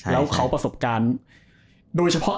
แล้วเขาประสบการณ์โดยเฉพาะ